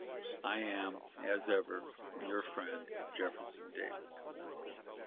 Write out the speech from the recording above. "I am, as ever, your friend, "Jefferson Davis."